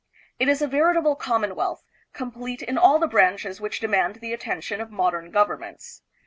It is a veritable commonwealth, complete in all the branches which demand the attention of modern governments.